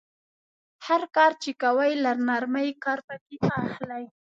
هر کار چې کوئ له نرمۍ کار پکې اخلئ.